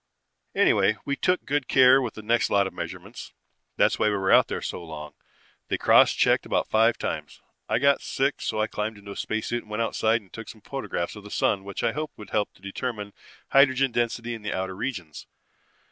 "Anyway, we took good care with the next lot of measurements. That's why we were out there so long. They were cross checked about five times. I got sick so I climbed into a spacesuit and went outside and took some photographs of the Sun which I hoped would help to determine hydrogen density in the outer regions.